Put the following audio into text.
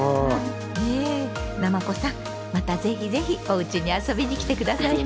なまこさんまたぜひぜひおうちに遊びに来て下さいね。